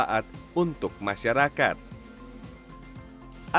dan juga untuk membuat sesuatu yang bermanfaat untuk masyarakat